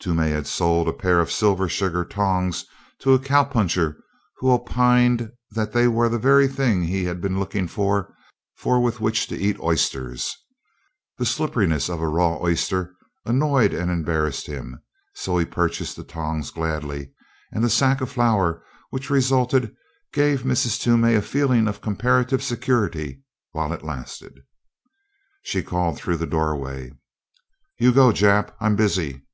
Toomey had sold a pair of silver sugar tongs to a cowpuncher who opined that they were the very thing he had been looking for with which to eat oysters. The slipperiness of a raw oyster annoyed and embarrassed him, so he purchased the tongs gladly, and the sack of flour which resulted gave Mrs. Toomey a feeling of comparative security while it lasted. She called through the doorway: "You go, Jap. I'm busy."